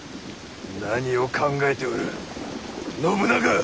何を考えておる信長！